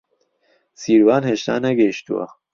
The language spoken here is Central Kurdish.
سیروان هێشتا نەگەیشتووە.